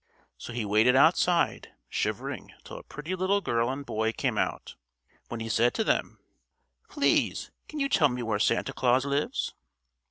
So he waited outside, shivering, till a pretty little girl and boy came out, when he said to them: "Please, can you tell me where Santa Claus lives?"